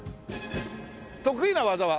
得意な技は？